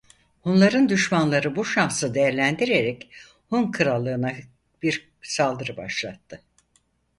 Hunların düşmanları bu şansı değerlendirerek Hun krallığına bir saldırı başlattı.